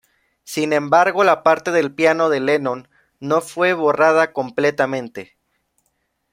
Sin embargo, la parte del piano de Lennon no fue borrada completamente.